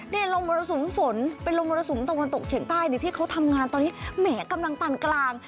นี่ลมมรสุมฝนเป็นลมมรสุมตะวันตกเฉียงใต้ที่เขาทำงานตอนนี้แหมกำลังปานกลาง